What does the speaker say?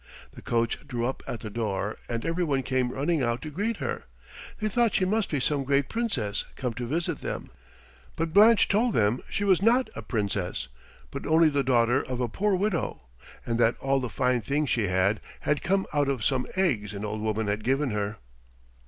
The coach drew up at the door, and every one came running out to greet her. They thought she must be some great Princess come to visit them, but Blanche told them she was not a Princess, but only the daughter of a poor widow, and that all the fine things she had, had come out of some eggs an old woman had given her.